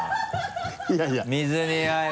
いやいや